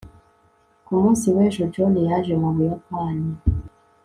ku munsi w'ejo, john yaje mu buyapani